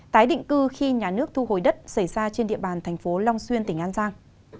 tái định cư khi nhà nước thu hồi đất xảy ra trên địa bàn thành phố long xuyên tỉnh an giang